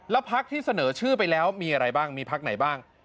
แล้วพักที่เสนอชื่อไปแล้วมีอะไรบ้างมีพักไหนบ้าง